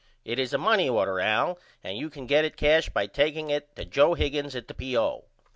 It is a money order Al and you can get it cashed by takeing it to Joe Higgins at the P.O.